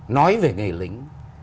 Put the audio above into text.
nói về người lính